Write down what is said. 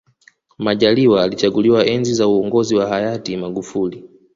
majaliwa alichaguliwa enzi za uongozi wa hayati magufuli